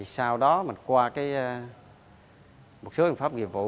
sau đó mình qua một số biện pháp nghiệp vụ